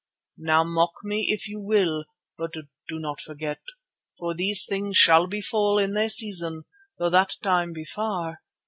Now mock me if you will, but do not forget, for these things shall befall in their season, though that time be far.